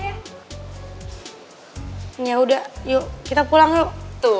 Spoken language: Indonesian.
ini yaudah yuk kita pulang dulu